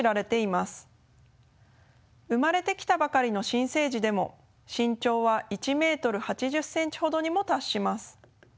生まれてきたばかりの新生仔でも身長は１ｍ８０ｃｍほどにも達します。